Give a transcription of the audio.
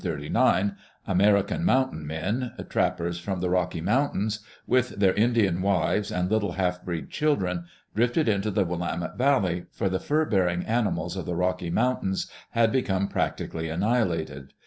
By 1838 and 1839, American "mountain men" — trappers from the Rocky Mountains — with their Indian wives and little half breed children, drifted into the Willamette Valley, for the fur bearing animals of the Rocky Mountains had become practically annihilated.